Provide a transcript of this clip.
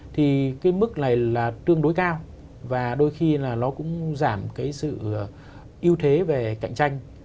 thì cái mức này là tương đối cao và đôi khi là nó cũng giảm cái sự ưu thế về cạnh tranh